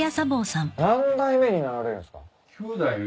何代目になられるんすか？